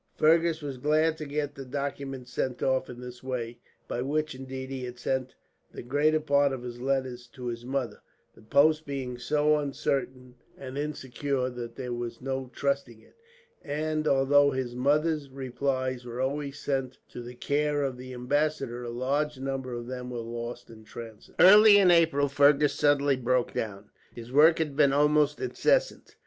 Fergus was glad to get the documents sent off in this way by which, indeed, he had sent the greater part of his letters to his mother the post being so uncertain and insecure that there was no trusting it; and although his mother's replies were always sent to the care of the ambassador, a large number of them were lost in the transit. Early in April Fergus suddenly broke down. His work had been almost incessant.